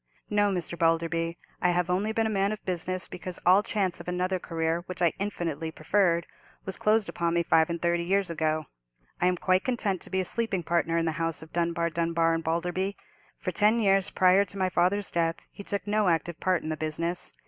"No, Mr. Balderby, I have only been a man of business because all chance of another career, which I infinitely preferred, was closed upon me five and thirty years ago. I am quite content to be a sleeping partner in the house of Dunbar, Dunbar, and Balderby. For ten years prior to my father's death he took no active part in the business.